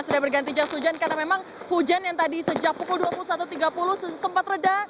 sudah berganti jas hujan karena memang hujan yang tadi sejak pukul dua puluh satu tiga puluh sempat reda